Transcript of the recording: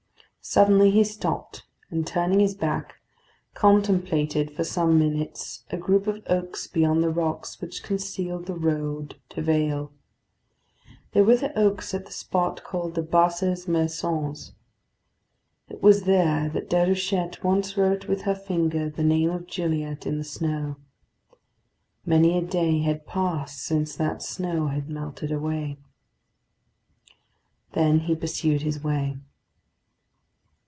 Suddenly he stopped, and, turning his back, contemplated for some minutes a group of oaks beyond the rocks which concealed the road to Vale. They were the oaks at the spot called the Basses Maisons. It was there that Déruchette once wrote with her finger the name of Gilliatt in the snow. Many a day had passed since that snow had melted away. Then he pursued his way.